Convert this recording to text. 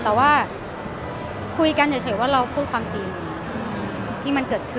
แต่ว่าคุยกันเฉยว่าเราพูดความจริงที่มันเกิดขึ้น